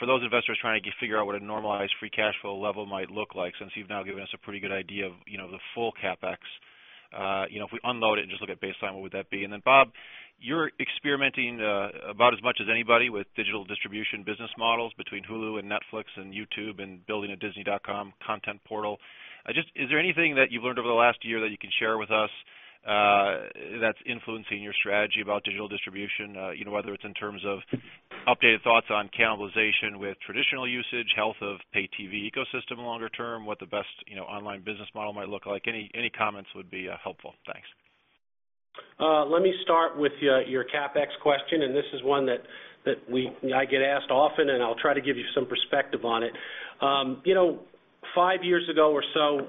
for those investors trying to figure out what a normalized free cash flow level might look like, since you've now given us a pretty good idea of the full CapEx. If we unload it and just look at baseline, what would that be? Bob, you're experimenting about as much as anybody with digital distribution business models between Hulu and Netflix and YouTube and building a Disney.com content portal. Is there anything that you've learned over the last year that you could share with us that's influencing your strategy about digital distribution, whether it's in terms of updated thoughts on cannibalization with traditional usage, health of pay-TV ecosystem longer term, what the best online business model might look like? Any comments would be helpful. Thanks. Let me start with your CapEx question, and this is one that I get asked often, and I'll try to give you some perspective on it. You know, five years ago or so,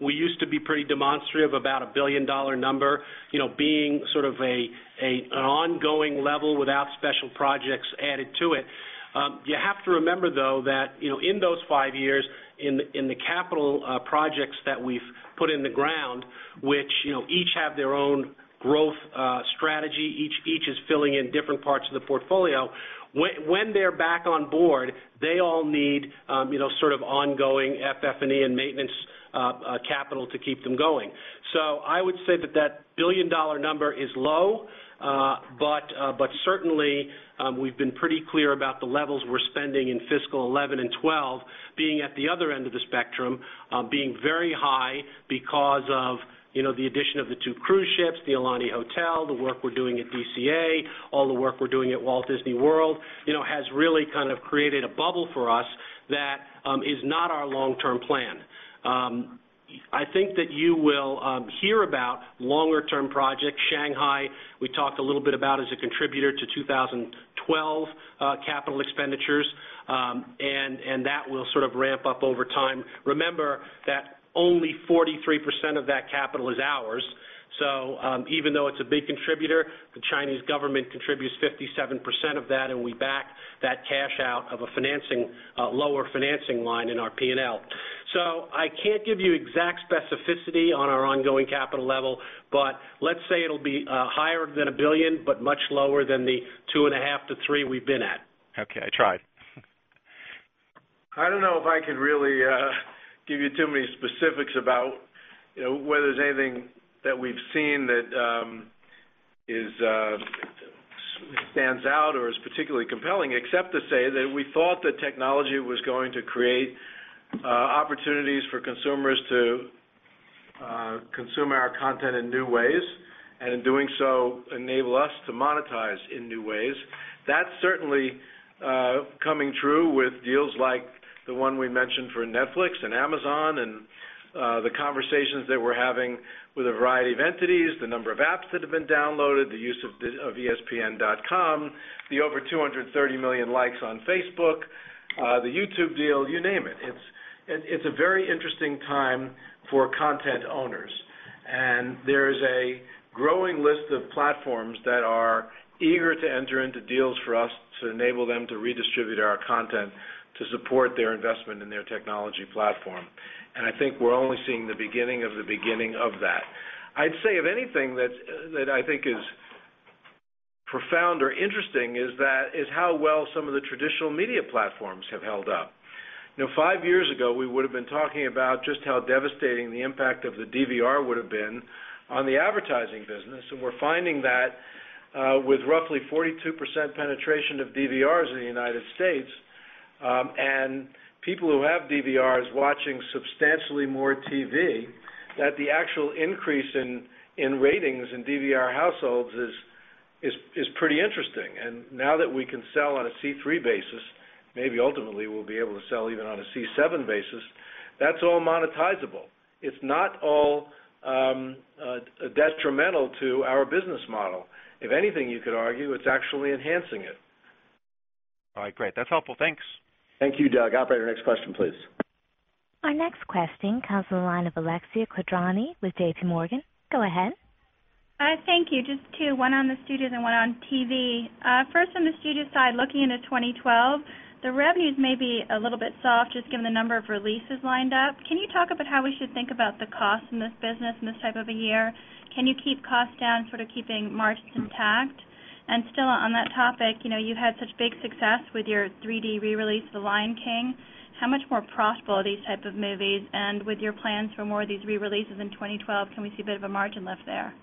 we used to be pretty demonstrative about a $1 billion number, you know, being sort of an ongoing level without special projects added to it. You have to remember, though, that in those five years, in the capital projects that we've put in the ground, which each have their own growth strategy, each is filling in different parts of the portfolio, when they're back on board, they all need sort of ongoing FF&E and maintenance capital to keep them going. I would say that that $1 billion number is low, but certainly we've been pretty clear about the levels we're spending in fiscal 2011 and 2012, being at the other end of the spectrum, being very high because of the addition of the two cruise ships, the Aulani Hotel, the work we're doing at VCA, all the work we're doing at Walt Disney World has really kind of created a bubble for us that is not our long-term plan. I think that you will hear about longer-term projects. Shanghai, we talked a little bit about as a contributor to 2012 capital expenditures, and that will sort of ramp up over time. Remember that only 43% of that capital is ours. Even though it's a big contributor, the Chinese government contributes 57% of that, and we back that cash out of a lower financing line in our P&L. I can't give you exact specificity on our ongoing capital level, but let's say it'll be higher than $1 billion, but much lower than the 2.5%-3% we've been at. Okay, I tried. I don't know if I could really give you too many specifics about whether there's anything that we've seen that stands out or is particularly compelling, except to say that we thought that technology was going to create opportunities for consumers to consume our content in new ways, and in doing so, enable us to monetize in new ways. That's certainly coming true with deals like the one we mentioned for Netflix and Amazon and the conversations that we're having with a variety of entities, the number of apps that have been downloaded, the use of ESPN.com, the over 230 million likes on Facebook, the YouTube deal, you name it. It's a very interesting time for content owners. There's a growing list of platforms that are eager to enter into deals for us to enable them to redistribute our content to support their investment in their technology platform. I think we're only seeing the beginning of the beginning of that. I'd say, if anything, that I think is profound or interesting is how well some of the traditional media platforms have held up. You know, five years ago, we would have been talking about just how devastating the impact of the DVR would have been on the advertising business. We're finding that with roughly 42% penetration of DVRs in the United States, and people who have DVRs watching substantially more TV, the actual increase in ratings in DVR households is pretty interesting. Now that we can sell on a C3 basis, maybe ultimately we'll be able to sell even on a C7 basis, that's all monetizable. It's not all detrimental to our business model. If anything, you could argue it's actually enhancing it. All right, great. That's helpful. Thanks. Thank you, Doug. Operator, next question, please. Our next question comes from the line of Alexia Quadrani with JPMorgan. Go ahead. Thank you. Just two, one on the studio and one on TV. First, on the studio side, looking into 2012, the revenues may be a little bit soft, just given the number of releases lined up. Can you talk about how we should think about the costs in this business in this type of a year? Can you keep costs down, sort of keeping margins intact? Still on that topic, you've had such big success with your 3D re-release of The Lion King. How much more profitable are these types of movies? With your plans for more of these re-releases in 2012, can we see a bit of a margin lift there?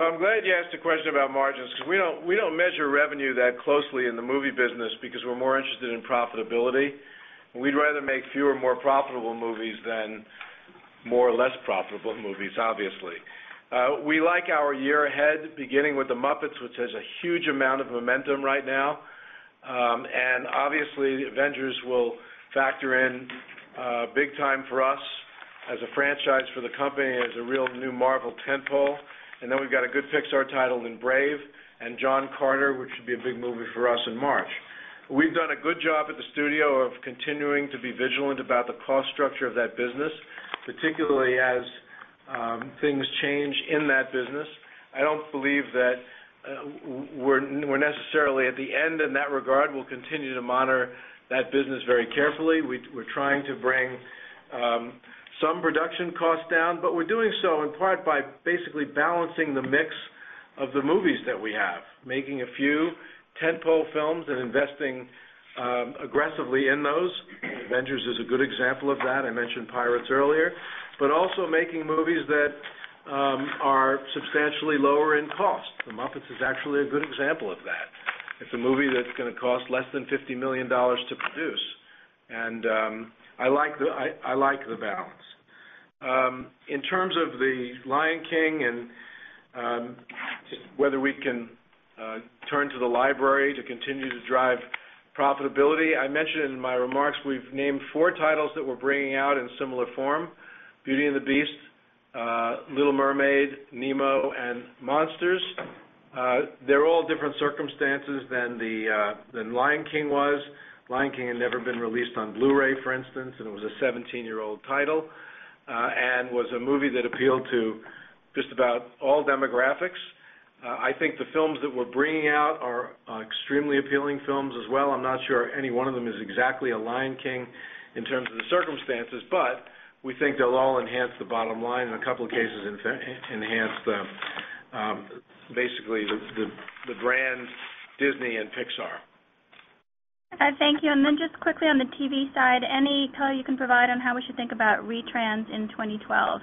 I'm glad you asked the question about margins, because we don't measure revenue that closely in the movie business because we're more interested in profitability. We'd rather make fewer more profitable movies than more or less profitable movies, obviously. We like our year ahead, beginning with The Muppets, which has a huge amount of momentum right now. Obviously, Avengers will factor in big time for us as a franchise for the company, the real new Marvel tentpole. We've got a good Pixar title in Brave, and John Carter, which should be a big movie for us in March. We've done a good job at the studio of continuing to be vigilant about the cost structure of that business, particularly as things change in that business. I don't believe that we're necessarily at the end in that regard. We'll continue to monitor that business very carefully. We're trying to bring some production costs down, but we're doing so in part by basically balancing the mix of the movies that we have, making a few tentpole films and investing aggressively in those. Avengers is a good example of that. I mentioned Pirates earlier, but also making movies that are substantially lower in cost. The Muppets is actually a good example of that. It's a movie that's going to cost less than $50 million to produce. I like the balance. In terms of The Lion King and whether we can turn to the library to continue to drive profitability, I mentioned in my remarks we've named four titles that we're bringing out in similar form: Beauty and the Beast, Little Mermaid, Nemo, and Monsters. They're all different circumstances than Lion King was. Lion King had never been released on Blu-ray, for instance, and it was a 17-year-old title and was a movie that appealed to just about all demographics. I think the films that we're bringing out are extremely appealing films as well. I'm not sure any one of them is exactly a Lion King in terms of the circumstances, but we think they'll all enhance the bottom line in a couple of cases and enhance basically the brand Disney and Pixar. Thank you. Just quickly on the TV side, any color you can provide on how we should think about re-trans in 2012?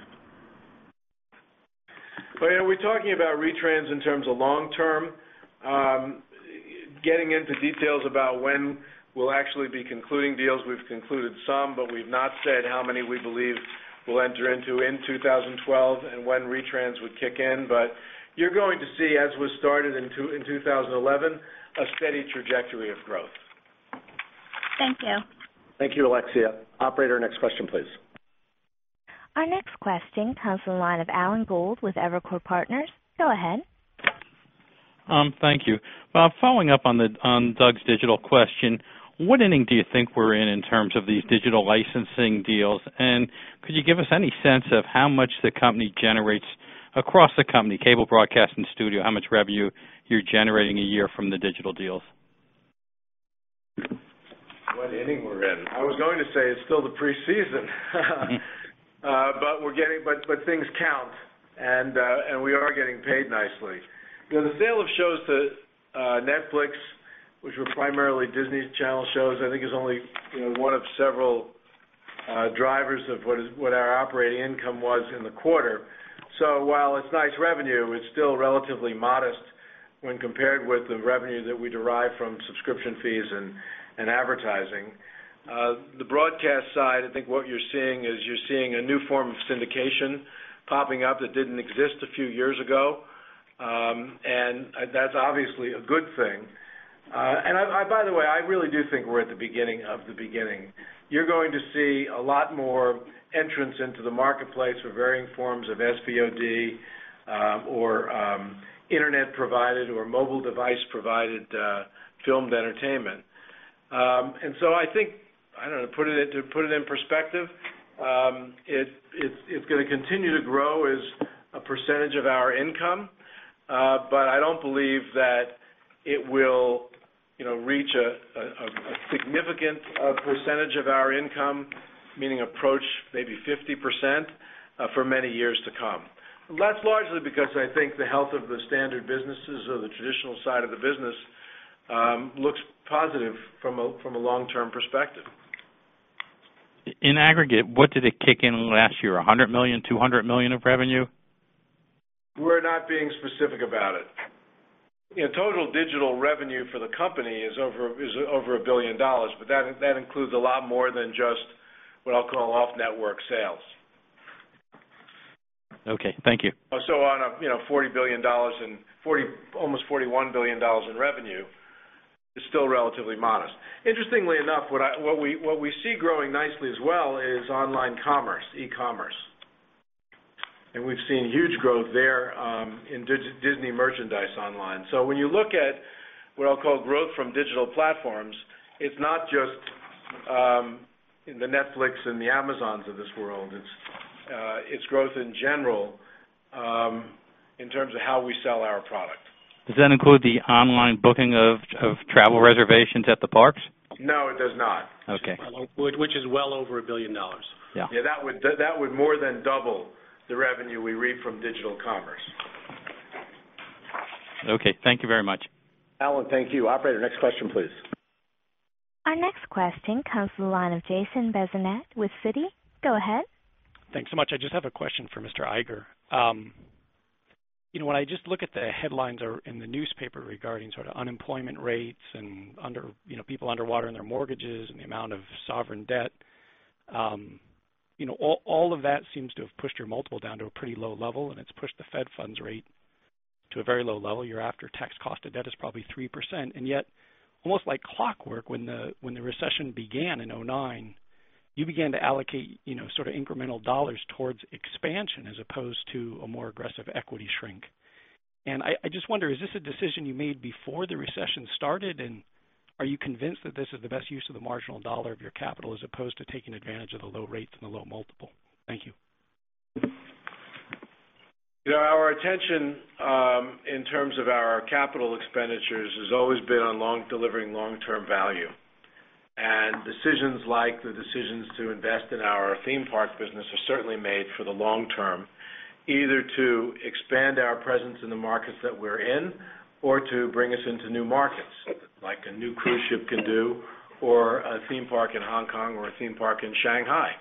We're talking about re-trans in terms of long-term, getting into details about when we'll actually be concluding deals. We've concluded some, but we've not said how many we believe we'll enter into in 2012 and when re-trans would kick in. You're going to see, as was started in 2011, a steady trajectory of growth. Thank you. Thank you, Alexia. Operator, next question, please. Our next question comes from the line of Alan Gould with Evercore Partners. Go ahead. Thank you. Following up on Doug's digital question, what ending do you think we're in in terms of these digital licensing deals? Could you give us any sense of how much the company generates across the company, cable, broadcast, and studio, how much revenue you're generating a year from the digital deals? What ending we're in? I was going to say it's still the preseason, but things count, and we are getting paid nicely. The sale of shows to Netflix, which were primarily Disney Channel shows, I think is only one of several drivers of what our operating income was in the quarter. While it's nice revenue, it's still relatively modest when compared with the revenue that we derive from subscription fees and advertising. The broadcast side, I think what you're seeing is you're seeing a new form of syndication popping up that didn't exist a few years ago, and that's obviously a good thing. By the way, I really do think we're at the beginning of the beginning. You're going to see a lot more entrance into the marketplace for varying forms of SVOD or internet-provided or mobile device-provided filmed entertainment. I think, to put it in perspective, it's going to continue to grow as a percentage of our income, but I don't believe that it will reach a significant percentage of our income, meaning approach maybe 50% for many years to come. That's largely because I think the health of the standard businesses or the traditional side of the business looks positive from a long-term perspective. In aggregate, what did it kick in last year? $100 million, $200 million of revenue? We're not being specific about it. Total digital revenue for the company is over $1 billion, but that includes a lot more than just what I'll call off-network sales. Okay, thank you. On a $40 billion and almost $41 billion in revenue, it's still relatively modest. Interestingly enough, what we see growing nicely as well is online commerce, e-commerce. We've seen huge growth there in Disney merchandise online. When you look at what I'll call growth from digital platforms, it's not just the Netflix and the Amazons of this world. It's growth in general in terms of how we sell our product. Does that include the online booking of travel reservations at the parks? No, it does not. Okay. Which is well over $1 billion. Yeah. Yeah, that would more than double the revenue we reap from digital commerce. Okay, thank you very much. Alan, thank you. Operator, next question, please. Our next question comes from the line of Jason Bazinet with Citi. Go ahead. Thanks so much. I just have a question for Mr. Iger. You know, when I just look at the headlines in the newspaper regarding sort of unemployment rates and people underwater in their mortgages and the amount of sovereign debt, you know, all of that seems to have pushed your multiple down to a pretty low level, and it's pushed the Fed funds rate to a very low level. Your after-tax cost of debt is probably 3%. Yet, almost like clockwork, when the recession began in 2009, you began to allocate sort of incremental dollars towards expansion as opposed to a more aggressive equity shrink. I just wonder, is this a decision you made before the recession started? Are you convinced that this is the best use of the marginal dollar of your capital as opposed to taking advantage of the low rates and the low multiple? Thank you. Our attention in terms of our capital expenditures has always been on delivering long-term value. Decisions like the decisions to invest in our theme parks business are certainly made for the long term, either to expand our presence in the markets that we're in or to bring us into new markets, like a new cruise ship can do or a theme park in Hong Kong or a theme park in Shanghai.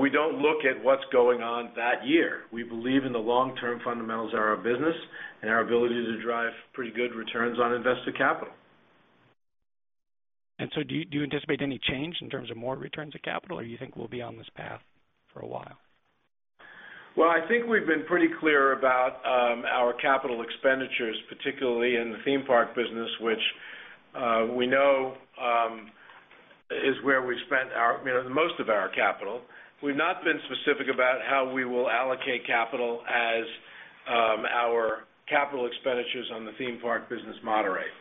We don't look at what's going on that year. We believe in the long-term fundamentals of our business and our ability to drive pretty good returns on invested capital. Do you anticipate any change in terms of more returns of capital, or do you think we'll be on this path for a while? I think we've been pretty clear about our capital expenditures, particularly in the theme park business, which we know is where we've spent most of our capital. We've not been specific about how we will allocate capital as our capital expenditures on the theme park business moderate.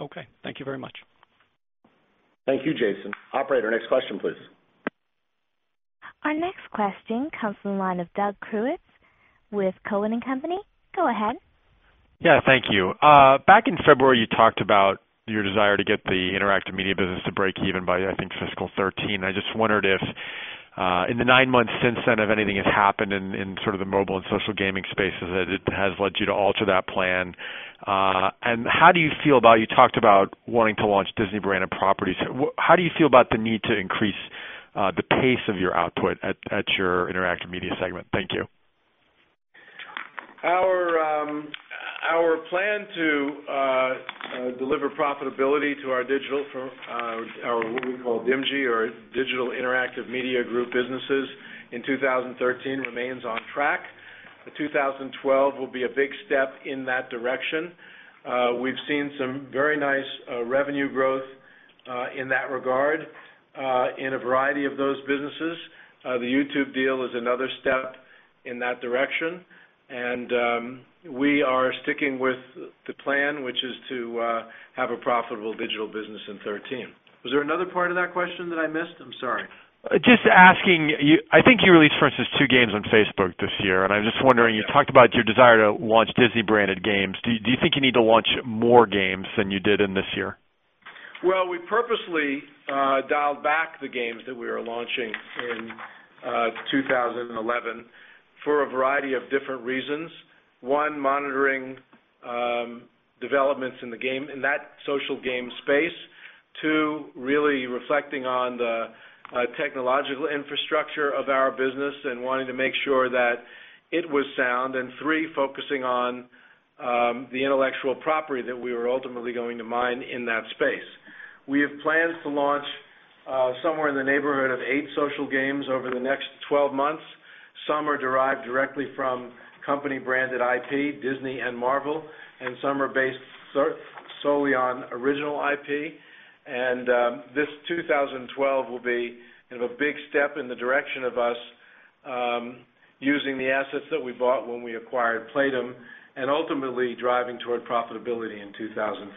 Okay, thank you very much. Thank you, Jason. Operator, next question, please. Our next question comes from the line of Doug Kruetz with Cowen and Company. Go ahead. Thank you. Back in February, you talked about your desire to get the interactive media business to break even by, I think, fiscal 2013. I just wondered if in the nine months since then, if anything has happened in sort of the mobile and social gaming spaces that has led you to alter that plan. How do you feel about, you talked about wanting to launch Disney-branded properties. How do you feel about the need to increase the pace of your output at your interactive media segment? Thank you. Our plan to deliver profitability to our digital, or what we call DIMG, or Digital Interactive Media Group businesses in 2013 remains off track. 2012 will be a big step in that direction. We've seen some very nice revenue growth in that regard in a variety of those businesses. The YouTube deal is another step in that direction. We are sticking with the plan, which is to have a profitable digital business in 2013. Was there another part of that question that I missed? I'm sorry. Just asking, I think you released first those two games on Facebook this year. I'm just wondering, you talked about your desire to launch Disney-branded games. Do you think you need to launch more games than you did in this year? We purposely dialed back the games that we were launching in 2011 for a variety of different reasons. One, monitoring developments in the game, in that social game space. Two, really reflecting on the technological infrastructure of our business and wanting to make sure that it was sound. Three, focusing on the intellectual property that we were ultimately going to mine in that space. We have plans to launch somewhere in the neighborhood of eight social games over the next 12 months. Some are derived directly from company-branded IP, Disney and Marvel, and some are based solely on original IP. This 2012 will be kind of a big step in the direction of us using the assets that we bought when we acquired Playdom and ultimately driving toward profitability in 2013.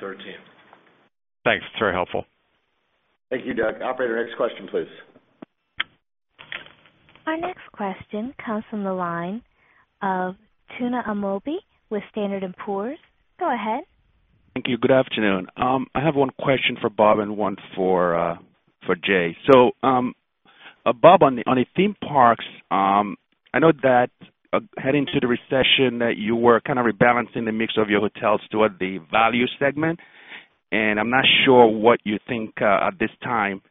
Thanks. It's very helpful. Thank you, Doug. Operator, next question, please. Our next question comes from the line of Tuna Amobi with Standard & Poor's. Go ahead. Thank you. Good afternoon. I have one question for Bob and one for Jay. Bob, on the theme parks, I know that heading to the recession you were kind of rebalancing the mix of your hotels toward the value segment. I'm not sure what you think at this time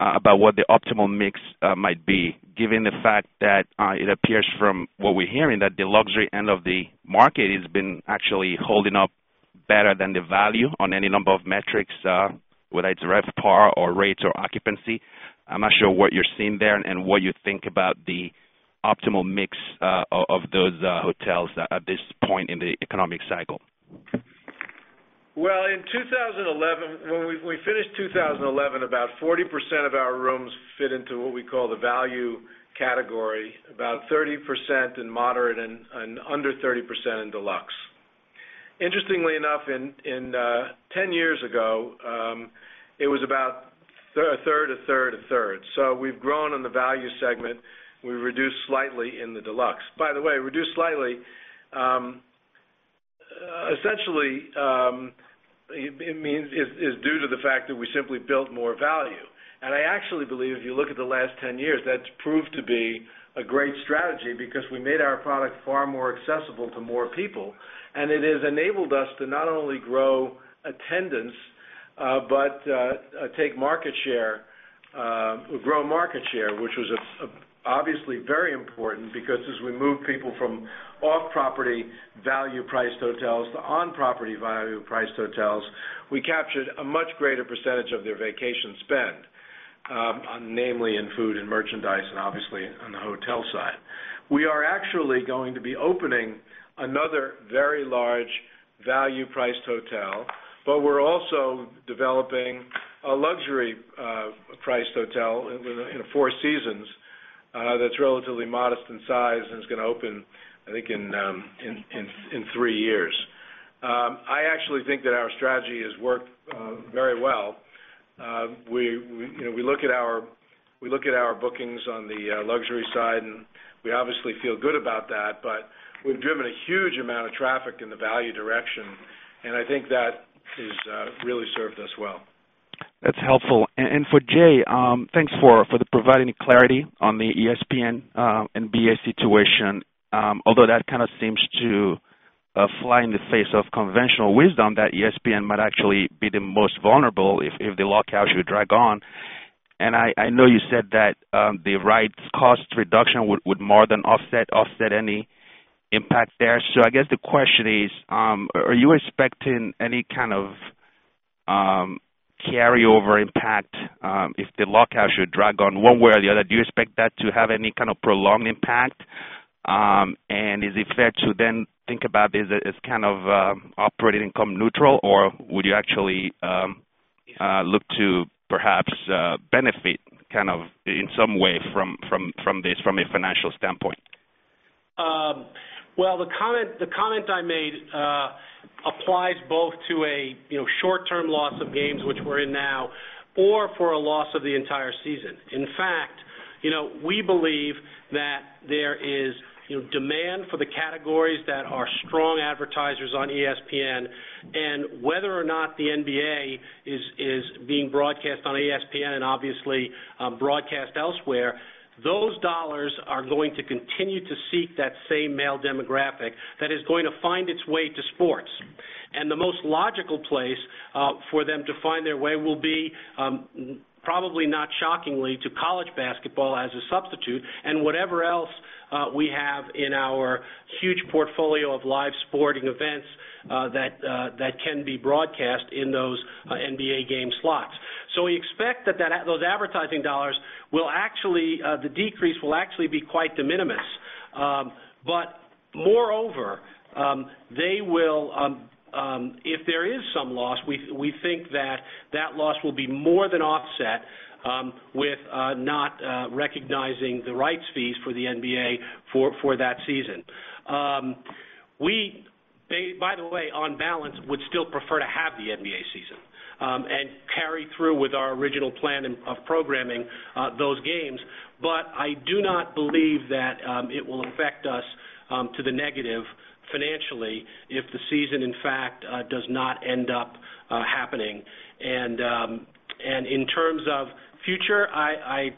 about what the optimal mix might be, given the fact that it appears from what we're hearing that the luxury end of the market has been actually holding up better than the value on any number of metrics, whether it's RevPAR or rates or occupancy. I'm not sure what you're seeing there and what you think about the optimal mix of those hotels at this point in the economic cycle. In 2011, when we finished 2011, about 40% of our rooms fit into what we call the value category, about 30% in moderate and under 30% in deluxe. Interestingly enough, 10 years ago, it was about a third, a third, a third. We have grown in the value segment and reduced slightly in the deluxe. By the way, reduced slightly essentially is due to the fact that we simply built more value. I actually believe if you look at the last 10 years, that's proved to be a great strategy because we made our product far more accessible to more people. It has enabled us to not only grow attendance but take market share, grow market share, which was obviously very important because as we moved people from off-property value-priced hotels to on-property value-priced hotels, we captured a much greater percentage of their vacation spend, namely in food and merchandise and obviously on the hotel side. We are actually going to be opening another very large value-priced hotel, but we are also developing a luxury-priced hotel in a Four Seasons that's relatively modest in size and is going to open, I think, in three years. I actually think that our strategy has worked very well. We look at our bookings on the luxury side, and we obviously feel good about that, but we have driven a huge amount of traffic in the value direction, and I think that has really served us well. That's helpful. For Jay, thanks for providing clarity on the ESPN and BA situation, although that kind of seems to fly in the face of conventional wisdom that ESPN might actually be the most vulnerable if the lockout should drag on. I know you said that the right cost reduction would more than offset any impact there. I guess the question is, are you expecting any kind of carryover impact if the lockout should drag on one way or the other? Do you expect that to have any kind of prolonged impact? Is it fair to then think about this as kind of operating income neutral, or would you actually look to perhaps benefit in some way from this from a financial standpoint? The comment I made applies both to a short-term loss of games, which we are in now, or for a loss of the entire season. In fact, we believe that there is demand for the categories that are strong advertisers on ESPN, and whether or not the NBA is being broadcast on ESPN and obviously broadcast elsewhere, those dollars are going to continue to seek that same male demographic that is going to find its way to sports. The most logical place for them to find their way will be, probably not shockingly, to college basketball as a substitute, and whatever else we have in our huge portfolio of live sporting events that can be broadcast in those NBA game slots. We expect that those advertising dollars will actually, the decrease will actually be quite de minimis. Moreover, if there is some loss, we think that that loss will be more than offset with not recognizing the rights fees for the NBA for that season. We, by the way, on balance, would still prefer to have the NBA season and carry through with our original plan of programming those games. I do not believe that it will affect us to the negative financially if the season, in fact, does not end up happening. In terms of future, I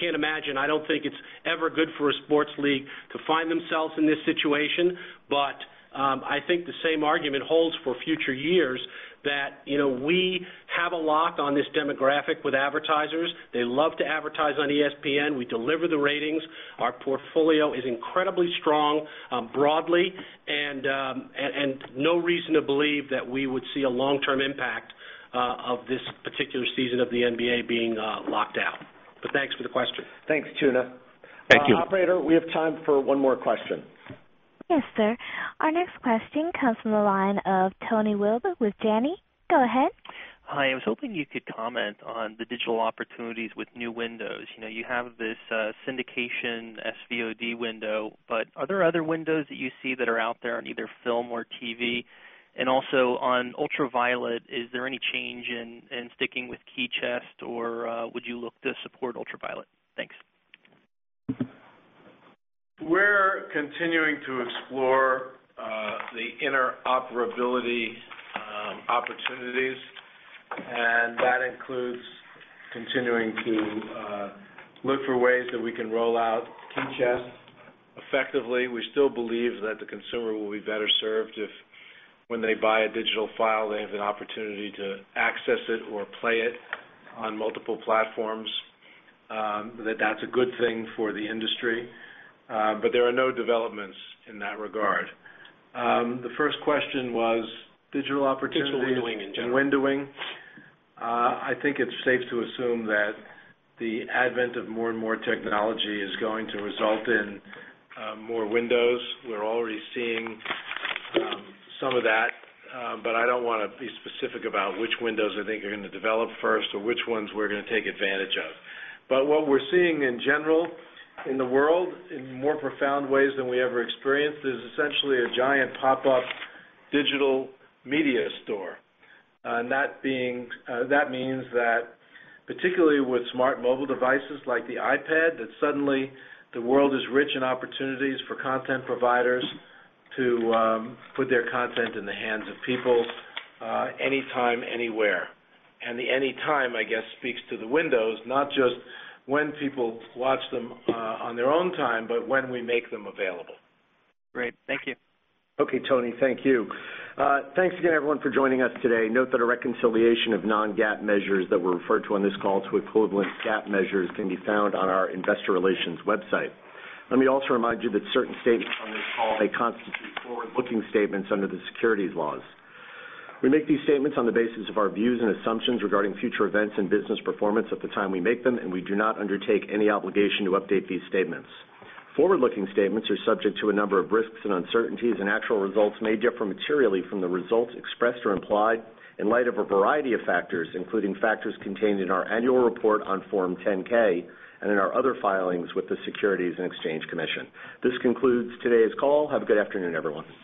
cannot imagine, I do not think it is ever good for a sports league to find themselves in this situation, but I think the same argument holds for future years that we have a lock on this demographic with advertisers. They love to advertise on ESPN. We deliver the ratings. Our portfolio is incredibly strong broadly, and no reason to believe that we would see a long-term impact of this particular season of the NBA being locked out. Thanks for the question. Thanks, Tuna. Thank you. Operator, we have time for one more question. Yes, sir. Our next question comes from the line of Tony Wible with Janney. Go ahead. Hi, I was hoping you could comment on the digital opportunities with new windows. You have this syndication SVOD window, but are there other windows that you see that are out there on either film or TV? Also, on ultraviolet, is there any change in sticking with KeyChest, or would you look to support ultraviolet? Thanks. We're continuing to explore the interoperability opportunities, and that includes continuing to look for ways that we can roll out KeyChest effectively. We still believe that the consumer will be better served if, when they buy a digital file, they have an opportunity to access it or play it on multiple platforms, that that's a good thing for the industry. There are no developments in that regard. The first question was digital opportunities in windowing. I think it's safe to assume that the advent of more and more technology is going to result in more windows. We're already seeing some of that. I don't want to be specific about which windows I think are going to develop first or which ones we're going to take advantage of. What we're seeing in general in the world, in more profound ways than we ever experienced, is essentially a giant pop-up digital media store. That means that, particularly with smart mobile devices like the iPad, suddenly the world is rich in opportunities for content providers to put their content in the hands of people anytime, anywhere. The anytime, I guess, speaks to the windows, not just when people watch them on their own time, but when we make them available. Great. Thank you. Okay, Tony, thank you. Thanks again, everyone, for joining us today. Note that a reconciliation of non-GAAP measures that were referred to on this call to equivalent GAAP measures can be found on our Investor Relations website. Let me also remind you that certain statements on this call may constitute forward-looking statements under the securities laws. We make these statements on the basis of our views and assumptions regarding future events and business performance at the time we make them, and we do not undertake any obligation to update these statements. Forward-looking statements are subject to a number of risks and uncertainties, and actual results may differ materially from the results expressed or implied in light of a variety of factors, including factors contained in our annual report on Form 10-K and in our other filings with the Securities and Exchange Commission. This concludes today's call. Have a good afternoon, everyone.